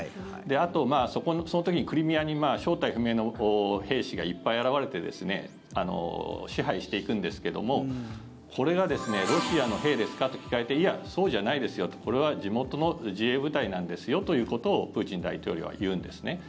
あと、その時にクリミアに正体不明の兵士がいっぱい現れて支配していくんですけどもこれがロシアの兵ですか？と聞かれていや、そうじゃないですよとこれは地元の自衛部隊なんですよということをプーチン大統領は言うんですね。